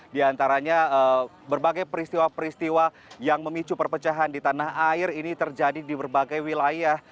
di antaranya berbagai peristiwa peristiwa yang memicu perpecahan di tanah air ini terjadi di berbagai wilayah